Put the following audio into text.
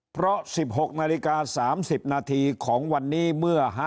เพราะ๑๖นาฬิกา๓๐นาทีของวันนี้เมื่อ